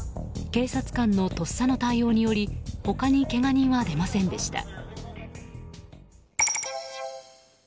警察官のとっさの対応により他にけが人は出ませんでした。